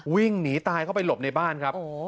วิ่งหนีตายเข้าไปหลบในบ้านครับ